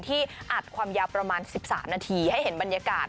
อัดความยาวประมาณ๑๓นาทีให้เห็นบรรยากาศ